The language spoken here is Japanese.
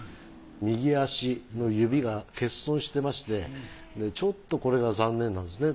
右足の指が欠損してましてちょっとこれが残念なんですね。